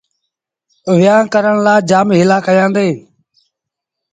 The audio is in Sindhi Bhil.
ويهآݩ ڪرڻ لآ جآم هيٚلآ ڪيآݩدي۔